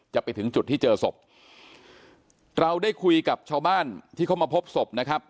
ไปถึงจุดที่เจอศพเราได้คุยกับชาวบ้านที่เขามาพบศพนะครับ